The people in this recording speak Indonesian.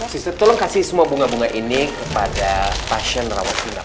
sistem tolong kasih semua bunga bunga ini kepada pasien rawat inap